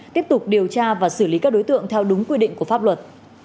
tiếp tục điều tra và xử lý các đối tượng theo đúng quy định của pháp luật